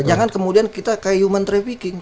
jangan kemudian kita kayak human trafficking